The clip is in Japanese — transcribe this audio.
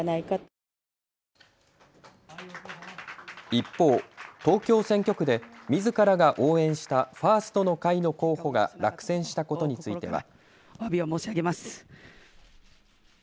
一方、東京選挙区でみずからが応援したファーストの会の候補が落選したことについては。